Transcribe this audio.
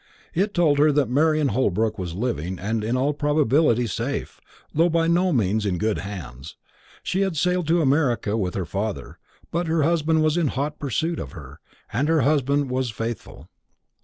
It told her that Marian Holbrook was living, and in all probability safe though by no means in good hands. She had sailed for America with her father; but her husband was in hot pursuit of her, and her husband was faithful.